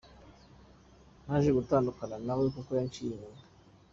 Naje gutandukana nawe kuko yanciye inyuma.